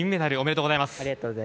ありがとうございます。